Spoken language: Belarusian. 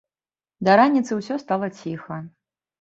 Да раніцы ўсё стала ціха.